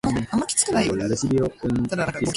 The ending of Whatever Happened to the Man of Tomorrow?